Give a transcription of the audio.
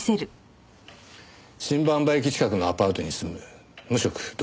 新馬場駅近くのアパートに住む無職独身。